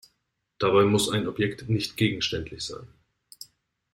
Dabei muss ein Objekt nicht gegenständlich sein.